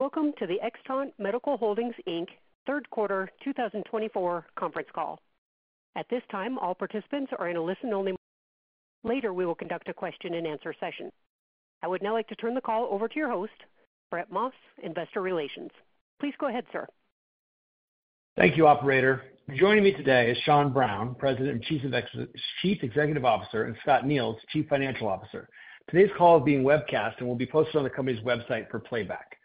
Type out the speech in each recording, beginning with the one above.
Welcome to the Xtant Medical Holdings Inc. Q3 2024 Conference call. At this time, all participants are in a listen-only mode. Later, we will conduct a question-and-answer session. I would now like to turn the call over to your host, Brett Maas, Investor Relations. Please go ahead, sir. Thank you, Operator. Joining me today is Sean Browne, President and Chief Executive Officer, and Scott Neils, Chief Financial Officer. Today's call is being webcast and will be posted on the company's website for playback.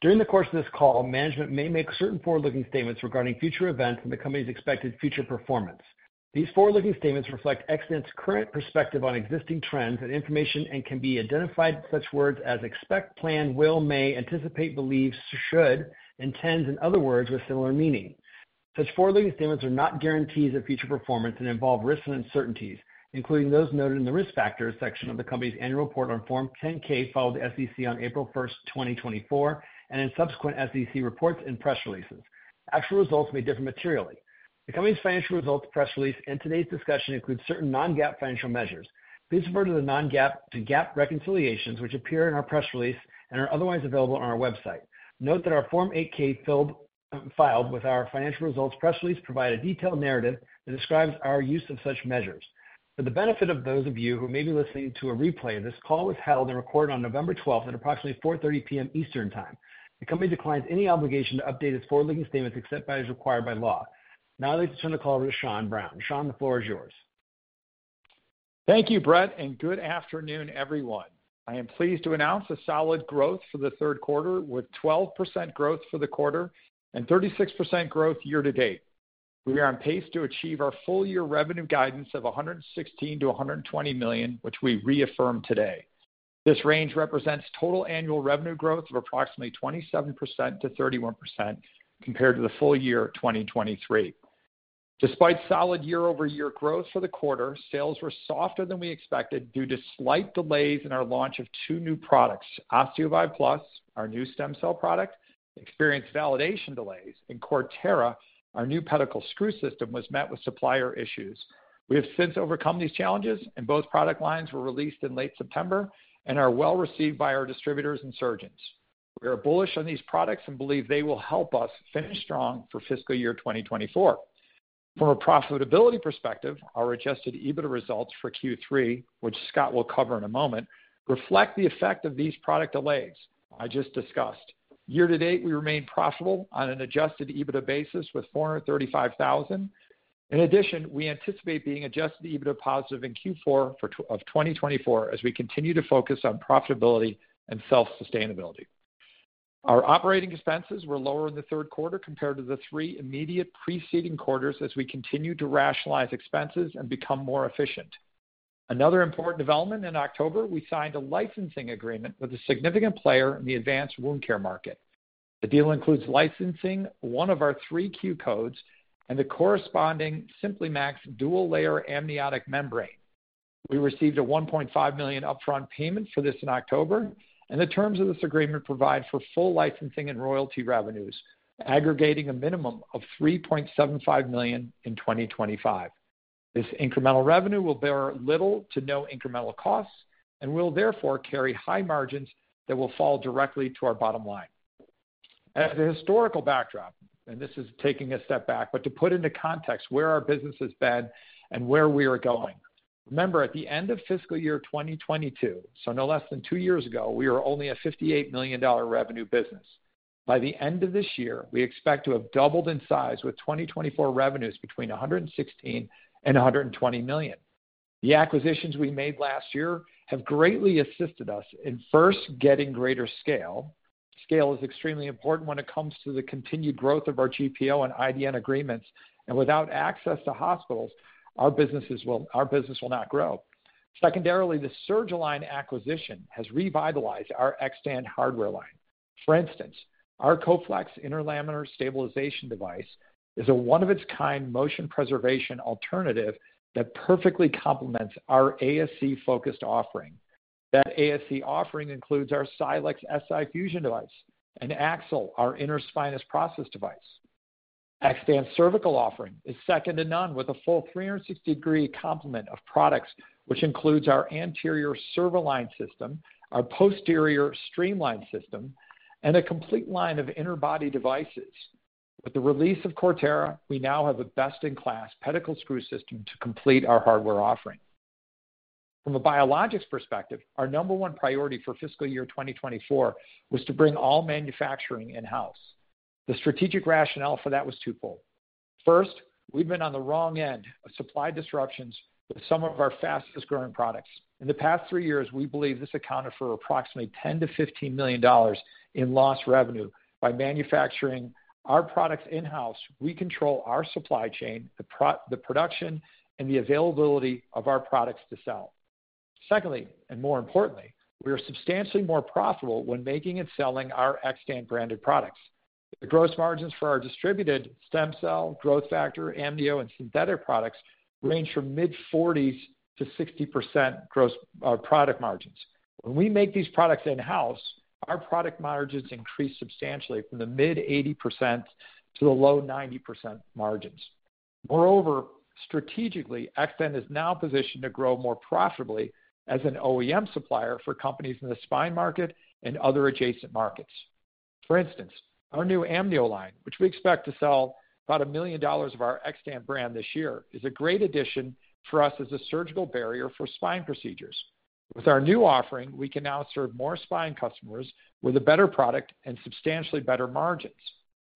During the course of this call, management may make certain forward-looking statements regarding future events and the company's expected future performance. These forward-looking statements reflect Xtant's current perspective on existing trends and information and can be identified with such words as expect, plan, will, may, anticipate, believe, should, intends, and other words with similar meaning. Such forward-looking statements are not guarantees of future performance and involve risks and uncertainties, including those noted in the risk factors section of the company's annual report on Form 10-K filed with the SEC on April 1, 2024, and in subsequent SEC reports and press releases. Actual results may differ materially. The company's financial results press release and today's discussion include certain non-GAAP financial measures. Please refer to the non-GAAP to GAAP reconciliations, which appear in our press release and are otherwise available on our website. Note that our Form 8-K filed with our financial results press release provides a detailed narrative that describes our use of such measures. For the benefit of those of you who may be listening to a replay, this call was held and recorded on November 12 at approximately 4:30 P.M. Eastern Time. The company declines any obligation to update its forward-looking statements except as required by law. Now I'd like to turn the call over to Sean Browne. Sean, the floor is yours. Thank you, Brett, and good afternoon, everyone. I am pleased to announce a solid growth for the Q3 with 12% growth for the quarter and 36% growth year to date. We are on pace to achieve our full-year revenue guidance of $116-$120 million, which we reaffirm today. This range represents total annual revenue growth of approximately 27%-31% compared to the full year 2023. Despite solid year-over-year growth for the quarter, sales were softer than we expected due to slight delays in our launch of two new products: OsteoVive Plus, our new stem cell product, experienced validation delays, and Corterra, our new pedicle screw system, which was met with supplier issues. We have since overcome these challenges, and both product lines were released in late September and are well received by our distributors and surgeons. We are bullish on these products and believe they will help us finish strong for fiscal year 2024. From a profitability perspective, our Adjusted EBITDA results for Q3, which Scott will cover in a moment, reflect the effect of these product delays I just discussed. Year to date, we remain profitable on an Adjusted EBITDA basis with $435,000. In addition, we anticipate being Adjusted EBITDA positive in Q4 of 2024 as we continue to focus on profitability and self-sustainability. Our operating expenses were lower in the Q3 compared to the three immediate preceding quarters as we continue to rationalize expenses and become more efficient. Another important development in October. We signed a licensing agreement with a significant player in the advanced wound care market. The deal includes licensing one of our three Q-codes and the corresponding SimpliMax dual-layer amniotic membrane. We received a $1.5 million upfront payment for this in October, and the terms of this agreement provide for full licensing and royalty revenues, aggregating a minimum of $3.75 million in 2025. This incremental revenue will bear little to no incremental costs and will therefore carry high margins that will fall directly to our bottom line. As a historical backdrop, and this is taking a step back, but to put into context where our business has been and where we are going, remember at the end of FY2022, so no less than two years ago, we were only a $58 million revenue business. By the end of this year, we expect to have doubled in size with 2024 revenues between $116 and $120 million. The acquisitions we made last year have greatly assisted us in first getting greater scale. Scale is extremely important when it comes to the continued growth of our GPO and IDN agreements, and without access to hospitals, our business will not grow. Secondarily, the Surgalign acquisition has revitalized our Xtant hardware line. For instance, our Coflex interlaminar stabilization device is a one-of-a-kind motion-preservation alternative that perfectly complements our ASC-focused offering. That ASC offering includes our Silex SI fusion device and Axle, our interspinous process device. Xtant's cervical offering is second to none with a full 360-degree complement of products, which includes our CervAlign system, our posterior Streamline system, and a complete line of interbody devices. With the release of Corterra, we now have a best-in-class pedicle screw system to complete our hardware offering. From a biologics perspective, our number one priority for FY2024 was to bring all manufacturing in-house. The strategic rationale for that was twofold. First, we've been on the wrong end of supply disruptions with some of our fastest-growing products. In the past three years, we believe this accounted for approximately $10-$15 million in lost revenue by manufacturing our products in-house. We control our supply chain, the production, and the availability of our products to sell. Secondly, and more importantly, we are substantially more profitable when making and selling our Xtant-branded products. The gross margins for our distributed stem cell, growth factor, amnio, and synthetic products range from mid-40s to 60% gross product margins. When we make these products in-house, our product margins increase substantially from the mid-80% to the low 90% margins. Moreover, strategically, Xtant is now positioned to grow more profitably as an OEM supplier for companies in the spine market and other adjacent markets. For instance, our new amnio line, which we expect to sell about $1 million of our Xtant brand this year, is a great addition for us as a surgical barrier for spine procedures. With our new offering, we can now serve more spine customers with a better product and substantially better margins.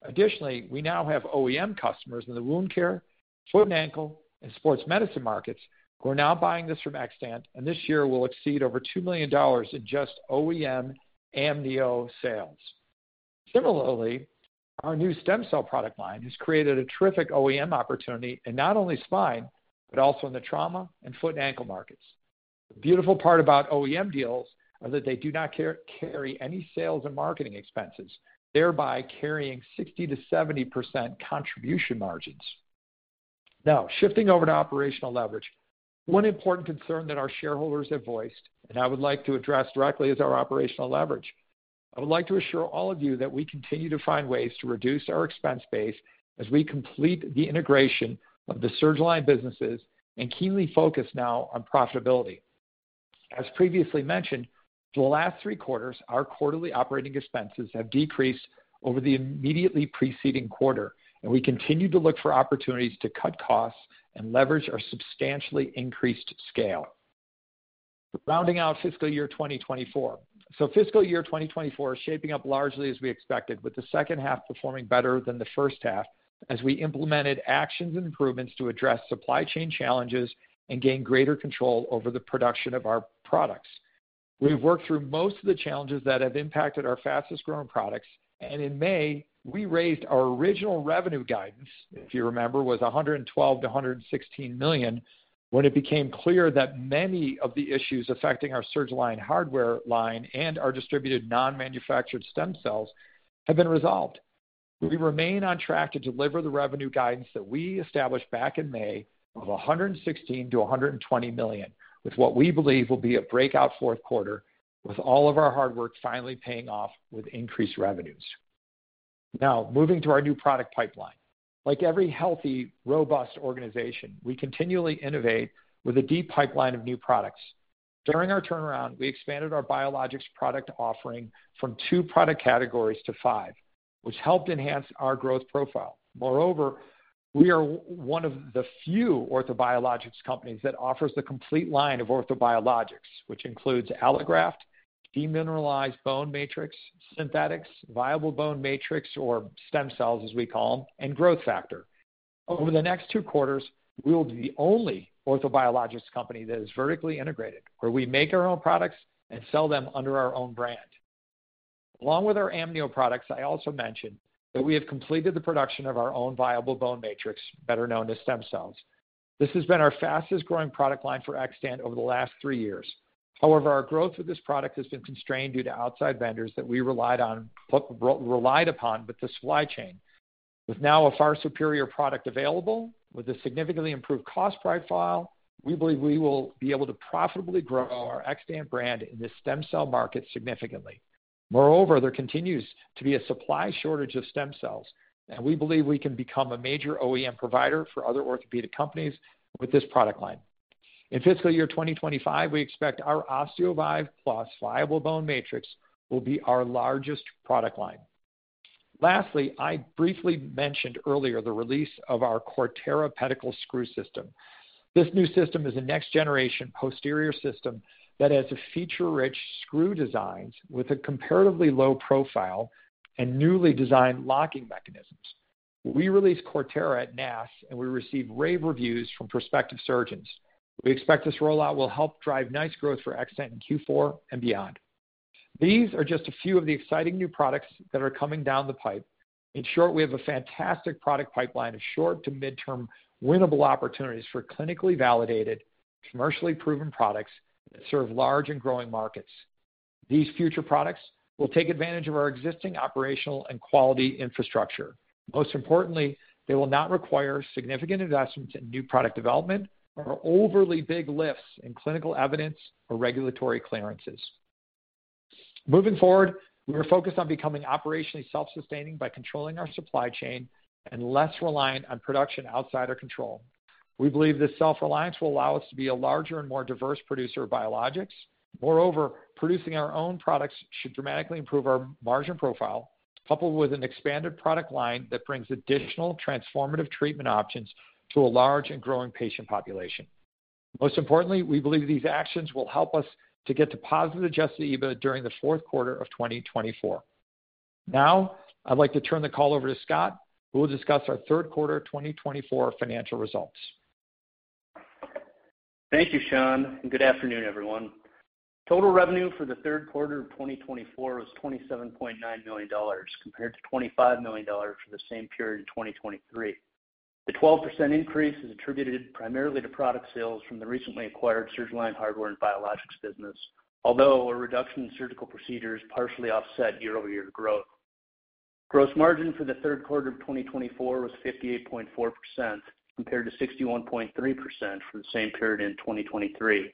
Additionally, we now have OEM customers in the wound care, foot and ankle, and sports medicine markets who are now buying this from Xtant, and this year will exceed over $2 million in just OEM amnio sales. Similarly, our new stem cell product line has created a terrific OEM opportunity in not only spine, but also in the trauma and foot and ankle markets. The beautiful part about OEM deals is that they do not carry any sales and marketing expenses, thereby carrying 60%-70% contribution margins. Now, shifting over to operational leverage, one important concern that our shareholders have voiced, and I would like to address directly, is our operational leverage. I would like to assure all of you that we continue to find ways to reduce our expense base as we complete the integration of the Surgalign businesses and keenly focus now on profitability. As previously mentioned, for the last three quarters, our quarterly operating expenses have decreased over the immediately preceding quarter, and we continue to look for opportunities to cut costs and leverage our substantially increased scale. Rounding out fiscal year 2024, so fiscal year 2024 is shaping up largely as we expected, with the second half performing better than the first half as we implemented actions and improvements to address supply chain challenges and gain greater control over the production of our products. We have worked through most of the challenges that have impacted our fastest-growing products, and in May, we raised our original revenue guidance, if you remember, was $112-$116 million when it became clear that many of the issues affecting our Surgalign hardware line and our distributed non-manufactured stem cells had been resolved. We remain on track to deliver the revenue guidance that we established back in May of $116-$120 million, with what we believe will be a breakout Q4, with all of our hard work finally paying off with increased revenues. Now, moving to our new product pipeline. Like every healthy, robust organization, we continually innovate with a deep pipeline of new products. During our turnaround, we expanded our biologics product offering from two product categories to five, which helped enhance our growth profile. Moreover, we are one of the few orthobiologics companies that offers the complete line of orthobiologics, which includes allograft, demineralized bone matrix, synthetics, viable bone matrix, or stem cells, as we call them, and growth factor. Over the next two quarters, we will be the only orthobiologics company that is vertically integrated, where we make our own products and sell them under our own brand. Along with our amnio products, I also mentioned that we have completed the production of our own viable bone matrix, better known as stem cells. This has been our fastest-growing product line for Xtant over the last three years. However, our growth with this product has been constrained due to outside vendors that we relied upon with the supply chain. With now a far superior product available, with a significantly improved cost profile, we believe we will be able to profitably grow our Xtant brand in the stem cell market significantly. Moreover, there continues to be a supply shortage of stem cells, and we believe we can become a major OEM provider for other orthopedic companies with this product line. In fiscal year 2025, we expect our OsteoVive Plus viable bone matrix will be our largest product line. Lastly, I briefly mentioned earlier the release of our Corterra pedicle screw system. This new system is a next-generation posterior system that has feature-rich screw designs with a comparatively low profile and newly designed locking mechanisms. We released Corterra at NASS, and we received rave reviews from prospective surgeons. We expect this rollout will help drive nice growth for Xtant in Q4 and beyond. These are just a few of the exciting new products that are coming down the pipe. In short, we have a fantastic product pipeline of short to mid-term winnable opportunities for clinically validated, commercially proven products that serve large and growing markets. These future products will take advantage of our existing operational and quality infrastructure. Most importantly, they will not require significant investments in new product development or overly big lifts in clinical evidence or regulatory clearances. Moving forward, we are focused on becoming operationally self-sustaining by controlling our supply chain and less reliant on production outside our control. We believe this self-reliance will allow us to be a larger and more diverse producer of biologics. Moreover, producing our own products should dramatically improve our margin profile, coupled with an expanded product line that brings additional transformative treatment options to a large and growing patient population. Most importantly, we believe these actions will help us to get to positive Adjusted EBITDA during the Q4 of 2024. Now, I'd like to turn the call over to Scott, who will discuss our Q3 2024 financial results. Thank you, Sean. Good afternoon, everyone. Total revenue for the Q3 of 2024 was $27.9 million compared to $25 million for the same period in 2023. The 12% increase is attributed primarily to product sales from the recently acquired Surgalign hardware and biologics business, although a reduction in surgical procedures partially offset year-over-year growth. Gross margin for the Q3 of 2024 was 58.4% compared to 61.3% for the same period in 2023.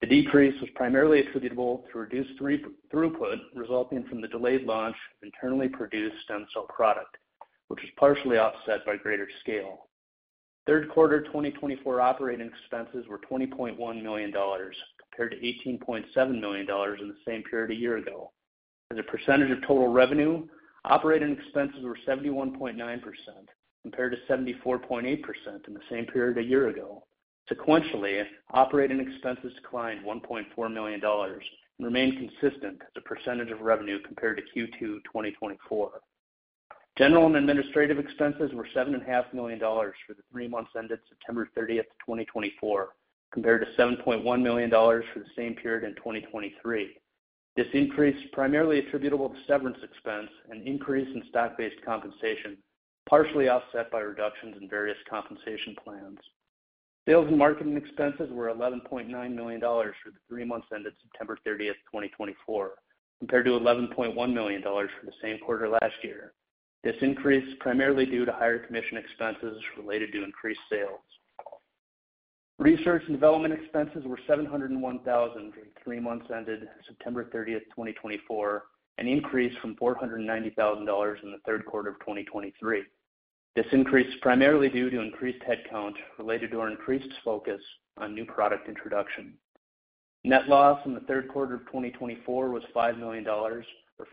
The decrease was primarily attributable to reduced throughput resulting from the delayed launch of internally produced stem cell product, which was partially offset by greater scale. Q3 2024 operating expenses were $20.1 million compared to $18.7 million in the same period a year ago. As a percentage of total revenue, operating expenses were 71.9% compared to 74.8% in the same period a year ago. Sequentially, operating expenses declined $1.4 million and remained consistent as a percentage of revenue compared to Q2 2024. General and administrative expenses were $7.5 million for the three months ended September 30, 2024, compared to $7.1 million for the same period in 2023. This increase is primarily attributable to severance expense and increase in stock-based compensation, partially offset by reductions in various compensation plans. Sales and marketing expenses were $11.9 million for the three months ended September 30, 2024, compared to $11.1 million for the same quarter last year. This increase is primarily due to higher commission expenses related to increased sales. Research and development expenses were $701,000 during three months ended September 30, 2024, an increase from $490,000 in the Q3 of 2023. This increase is primarily due to increased headcount related to our increased focus on new product introduction. Net loss in the Q3 of 2024 was $5 million or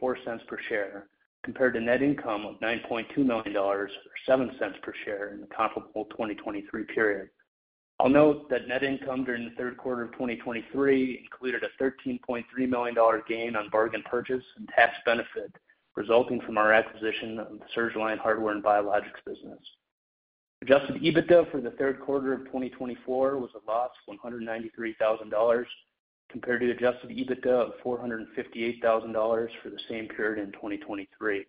$0.04 per share compared to net income of $9.2 million or $0.07 per share in the comparable 2023 period. I'll note that net income during the Q3 of 2023 included a $13.3 million gain on bargain purchase and tax benefit resulting from our acquisition of the Surgalign hardware and biologics business. Adjusted EBITDA for the Q3 of 2024 was a loss of $193,000 compared to Adjusted EBITDA of $458,000 for the same period in 2023.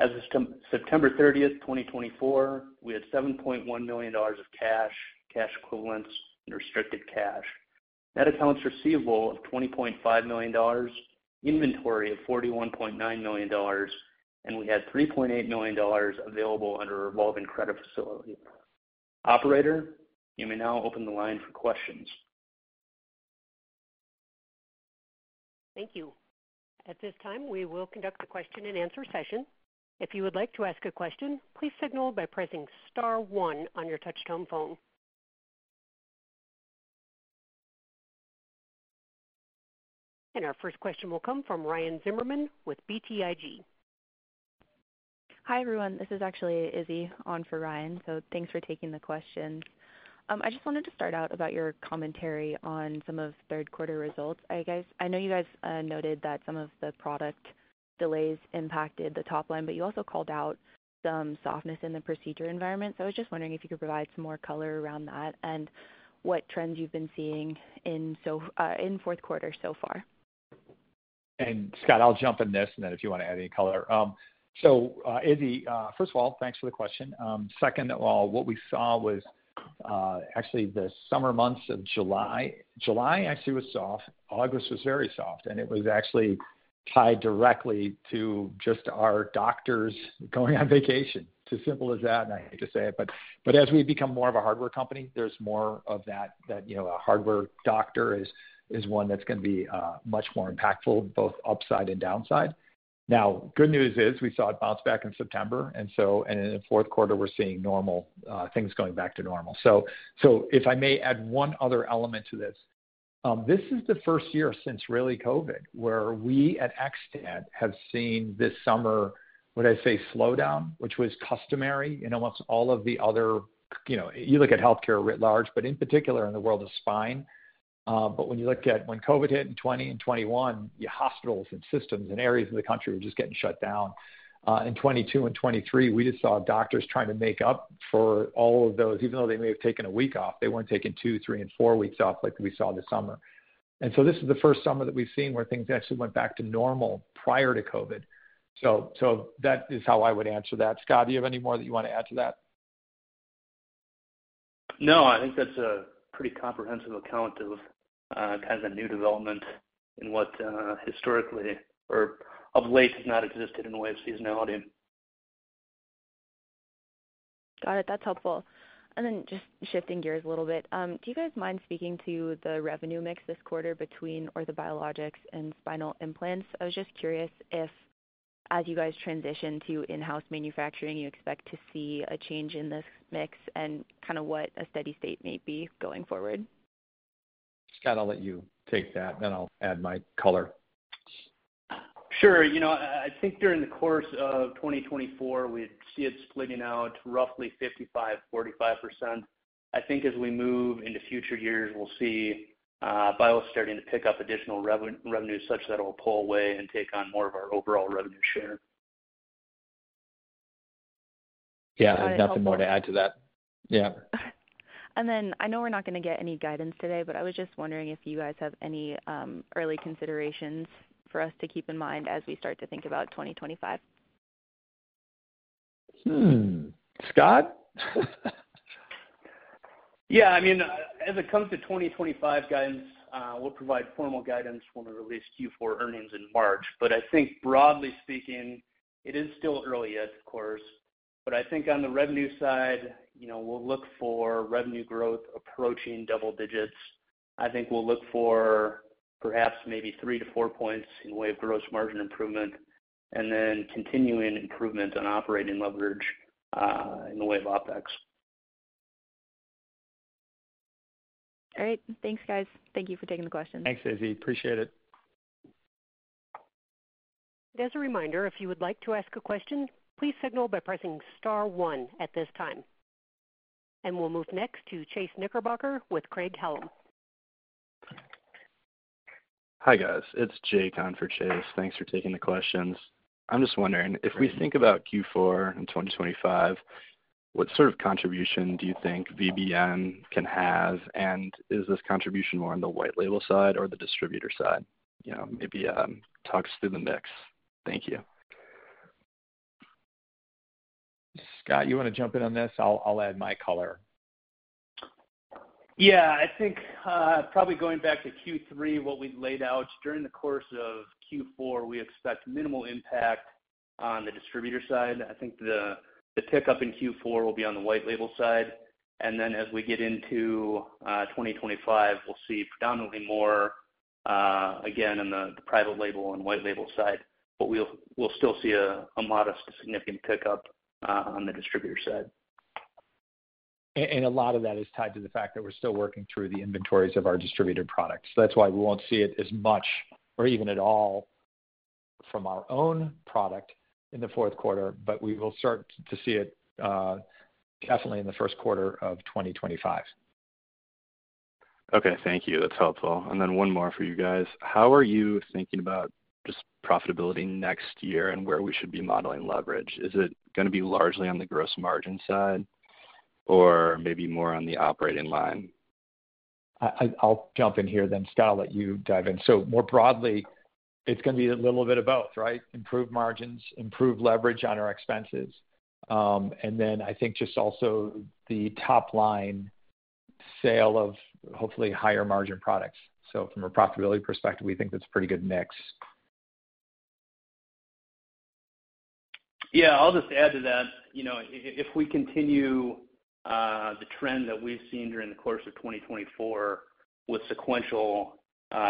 As of September 30, 2024, we had $7.1 million of cash, cash equivalents, and restricted cash. Net accounts receivable of $20.5 million, inventory of $41.9 million, and we had $3.8 million available under a revolving credit facility. Operator, you may now open the line for questions. Thank you. At this time, we will conduct the question-and-answer session. If you would like to ask a question, please signal by pressing Star 1 on your touch-tone phone, and our first question will come from Ryan Zimmerman with BTIG. Hi, everyone. This is actually Izzy on for Ryan. So thanks for taking the questions. I just wanted to start out about your commentary on some of Q3 results. I know you guys noted that some of the product delays impacted the top line, but you also called out some softness in the procedure environment. So I was just wondering if you could provide some more color around that and what trends you've been seeing in Q4 so far. And Scott, I'll jump in this and then if you want to add any color. So Izzy, first of all, thanks for the question. Second of all, what we saw was actually the summer months of July. July actually was soft. August was very soft, and it was actually tied directly to just our doctors going on vacation. It's as simple as that, and I hate to say it. But as we become more of a hardware company, there's more of that. A hardware doctor is one that's going to be much more impactful, both upside and downside. Now, the good news is we saw it bounce back in September, and in the Q4, we're seeing normal things going back to normal. If I may add one other element to this, this is the first year since really COVID where we at Xtant have seen this summer, would I say, slowdown, which was customary in almost all of the other you look at healthcare writ large, but in particular in the world of spine. But when you look at when COVID hit in 2020 and 2021, hospitals and systems and areas of the country were just getting shut down. In 2022 and 2023, we just saw doctors trying to make up for all of those. Even though they may have taken a week off, they weren't taking two, three, and four weeks off like we saw this summer. And so this is the first summer that we've seen where things actually went back to normal prior to COVID. So that is how I would answer that. Scott, do you have any more that you want to add to that? No, I think that's a pretty comprehensive account of kind of a new development in what historically or of late has not existed in the way of seasonality. Got it. That's helpful. And then just shifting gears a little bit, do you guys mind speaking to the revenue mix this quarter between orthobiologics and spinal implants? I was just curious if, as you guys transition to in-house manufacturing, you expect to see a change in this mix and kind of what a steady state may be going forward? Scott, I'll let you take that, then I'll add my color. Sure. You know, I think during the course of 2024, we'd see it splitting out roughly 55%-45%. I think as we move into future years, we'll see biologics starting to pick up additional revenue such that it will pull away and take on more of our overall revenue share. Yeah, nothing more to add to that. Yeah. And then I know we're not going to get any guidance today, but I was just wondering if you guys have any early considerations for us to keep in mind as we start to think about 2025. Scott? Yeah, I mean, as it comes to 2025 guidance, we'll provide formal guidance when we release Q4 earnings in March. But I think broadly speaking, it is still early yet, of course. But I think on the revenue side, we'll look for revenue growth approaching double digits. I think we'll look for perhaps maybe three to four points in the way of gross margin improvement and then continuing improvements on operating leverage in the way of OpEx. All right. Thanks, guys. Thank you for taking the questions. Thanks, Izzy. Appreciate it. As a reminder, if you would like to ask a question, please signal by pressing Star 1 at this time. And we'll move next to Chase Knickerbocker with Craig-Hallum. Hi guys. It's Jake on for Chase. Thanks for taking the questions. I'm just wondering, if we think about Q4 in 2025, what sort of contribution do you think VBM can have? And is this contribution more on the white label side or the distributor side? Maybe talk us through the mix. Thank you. Scott, you want to jump in on this? I'll add my color. Yeah, I think probably going back to Q3, what we've laid out during the course of Q4, we expect minimal impact on the distributor side. I think the pickup in Q4 will be on the white label side. And then as we get into 2025, we'll see predominantly more again on the private label and white label side, but we'll still see a modest significant pickup on the distributor side. A lot of that is tied to the fact that we're still working through the inventories of our distributed products. That's why we won't see it as much or even at all from our own product in the Q4, but we will start to see it definitely in the Q1 of 2025. Okay. Thank you. That's helpful. And then one more for you guys. How are you thinking about just profitability next year and where we should be modeling leverage? Is it going to be largely on the gross margin side or maybe more on the operating line? I'll jump in here, then Scott will let you dive in, so more broadly, it's going to be a little bit of both, right? Improve margins, improve leverage on our expenses, and then I think just also the top line sale of hopefully higher margin products, so from a profitability perspective, we think that's a pretty good mix. Yeah, I'll just add to that. If we continue the trend that we've seen during the course of 2024 with sequential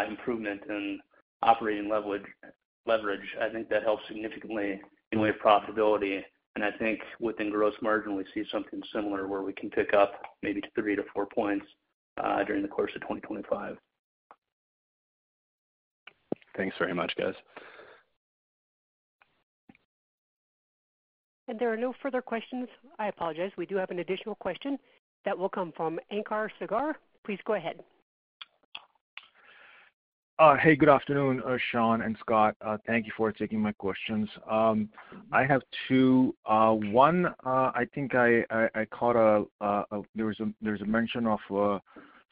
improvement in operating leverage, I think that helps significantly in the way of profitability. And I think within gross margin, we see something similar where we can pick up maybe three to four points during the course of 2025. Thanks very much, guys. There are no further questions. I apologize. We do have an additional question that will come from Ankur Sagra. Please go ahead. Hey, good afternoon, Sean and Scott. Thank you for taking my questions. I have two. One, I think I caught that there was a mention of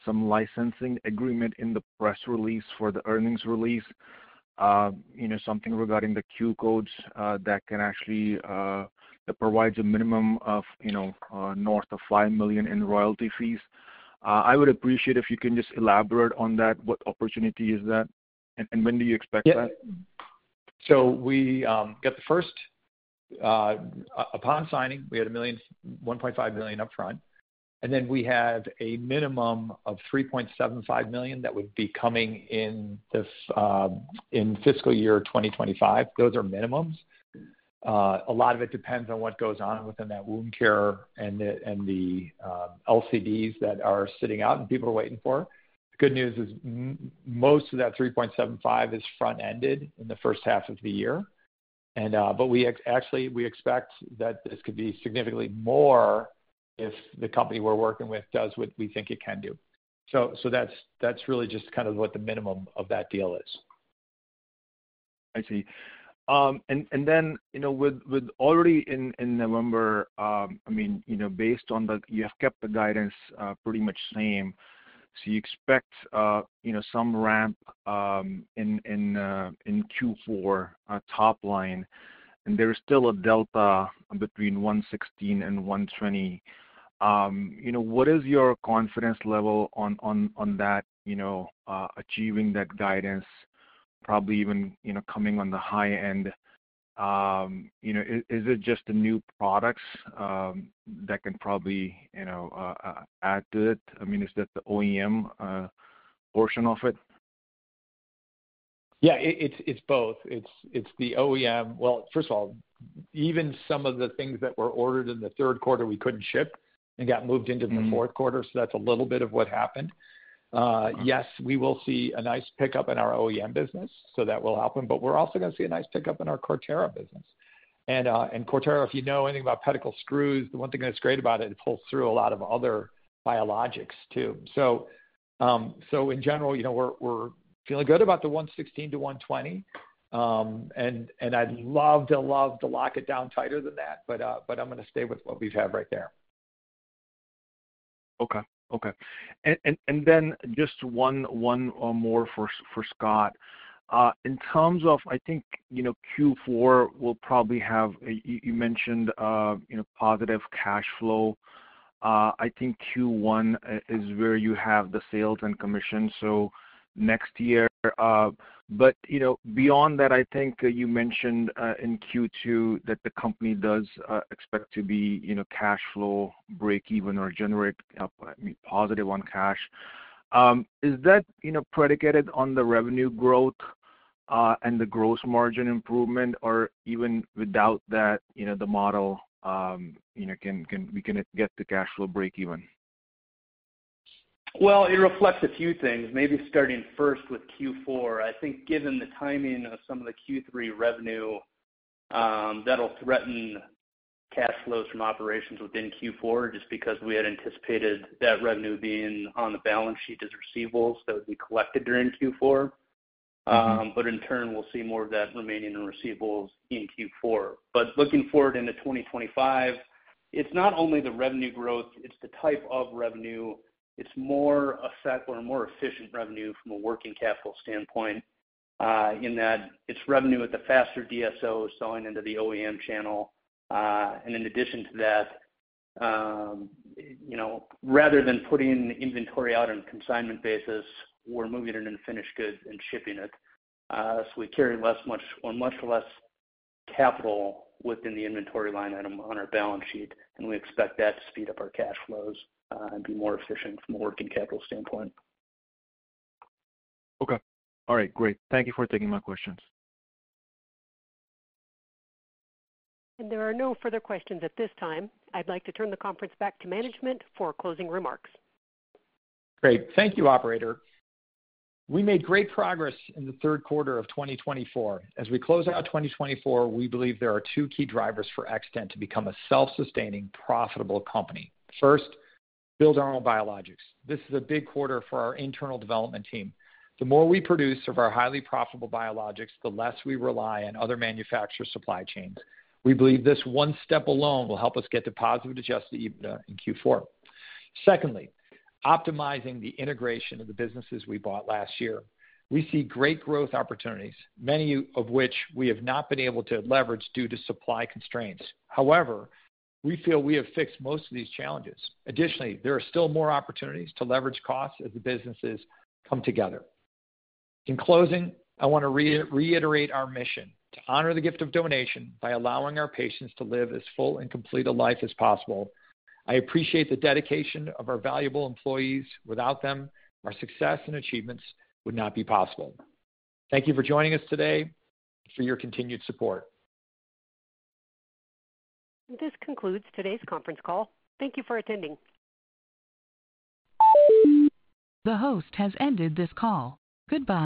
some licensing agreement in the press release for the earnings release, something regarding the Q-codes that provides a minimum of north of five million in royalty fees. I would appreciate if you can just elaborate on that. What opportunity is that? And when do you expect that? Yeah. So we got the first upon signing, we had $1.5 million upfront. And then we have a minimum of $3.75 million that would be coming in fiscal year 2025. Those are minimums. A lot of it depends on what goes on within that wound care and the LCDs that are sitting out and people are waiting for. The good news is most of that $3.75 million is front-ended in the first half of the year. But actually, we expect that this could be significantly more if the company we're working with does what we think it can do. So that's really just kind of what the minimum of that deal is. I see. And then with already in November, I mean, based on the you have kept the guidance pretty much same. So you expect some ramp in Q4 top line. And there's still a delta between 116 and 120. What is your confidence level on that, achieving that guidance, probably even coming on the high end? Is it just the new products that can probably add to it? I mean, is that the OEM portion of it? Yeah, it's both. It's the OEM. Well, first of all, even some of the things that were ordered in the Q3, we couldn't ship and got moved into the Q4. So that's a little bit of what happened. Yes, we will see a nice pickup in our OEM business, so that will happen. But we're also going to see a nice pickup in our Corterra business. And Corterra, if you know anything about pedicle screws, the one thing that's great about it, it pulls through a lot of other biologics too. So in general, we're feeling good about the 116-120. And I'd love to lock it down tighter than that, but I'm going to stay with what we've had right there. Okay. Okay. And then just one more for Scott. In terms of, I think Q4 will probably have you mentioned positive cash flow. I think Q1 is where you have the sales and commission, so next year. But beyond that, I think you mentioned in Q2 that the company does expect to be cash flow break-even or generate positive on cash. Is that predicated on the revenue growth and the gross margin improvement, or even without that, the model can we get the cash flow break-even? It reflects a few things, maybe starting first with Q4. I think given the timing of some of the Q3 revenue, that'll threaten cash flows from operations within Q4 just because we had anticipated that revenue being on the balance sheet as receivables that would be collected during Q4. But in turn, we'll see more of that remaining in receivables in Q4. But looking forward into 2025, it's not only the revenue growth, it's the type of revenue. It's more a set or more efficient revenue from a working capital standpoint in that it's revenue with the faster DSOs going into the OEM channel. And in addition to that, rather than putting inventory out on consignment basis, we're moving it into finished goods and shipping it. We carry much less capital within the inventory line item on our balance sheet, and we expect that to speed up our cash flows and be more efficient from a working capital standpoint. Okay. All right. Great. Thank you for taking my questions. And there are no further questions at this time. I'd like to turn the conference back to management for closing remarks. Great. Thank you, operator. We made great progress in the Q3 of 2024. As we close out 2024, we believe there are two key drivers for Xtant to become a self-sustaining, profitable company. First, build our own biologics. This is a big quarter for our internal development team. The more we produce of our highly profitable biologics, the less we rely on other manufacturer supply chains. We believe this one step alone will help us get to positive Adjusted EBITDA in Q4. Secondly, optimizing the integration of the businesses we bought last year. We see great growth opportunities, many of which we have not been able to leverage due to supply constraints. However, we feel we have fixed most of these challenges. Additionally, there are still more opportunities to leverage costs as the businesses come together. In closing, I want to reiterate our mission to honor the gift of donation by allowing our patients to live as full and complete a life as possible. I appreciate the dedication of our valuable employees. Without them, our success and achievements would not be possible. Thank you for joining us today and for your continued support. This concludes today's conference call. Thank you for attending. The host has ended this call. Goodbye.